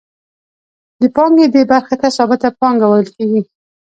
د پانګې دې برخې ته ثابته پانګه ویل کېږي